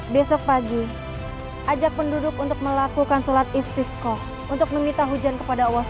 besok pagi ajak penduduk untuk melakukan sholat istiskoh untuk meminta hujan kepada allah sw